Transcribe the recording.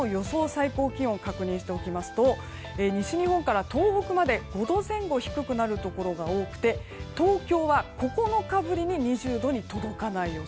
最高気温を確認しておきますと西日本から東北まで５度前後低くなるところが多くて東京は９日ぶりに２０度に届かないよ